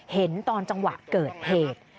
เห็นตอนจังหวะเกิดเหตุ